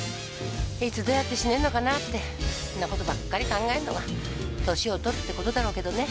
いつどうやって死ねるのかなってそんな事ばっかり考えるのが歳をとるって事だろうけどね。